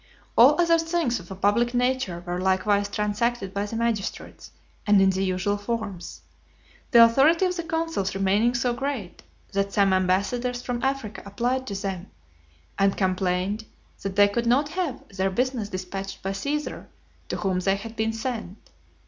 All other things of a public nature were likewise transacted by the magistrates, and in the usual forms; the authority of the consuls remaining so great, that some ambassadors from Africa applied to them, and complained, that they could not have their business dispatched by Caesar, to whom they had been sent.